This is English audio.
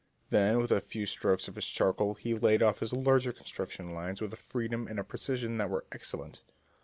Then, with a few strokes of his charcoal he laid off his larger construction lines with a freedom and a precision that were excellent.